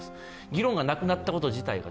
議論がなくなったこと自体が。